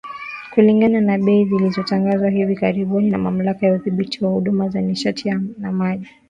Kulingana na bei zilizotangazwa hivi karibuni na Mamlaka ya Udhibiti wa Huduma za Nishati na Maji kuanzia Aprili kumi na sita